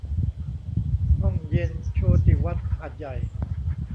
ห้องเย็นโชติวัฒน์หาดใหญ่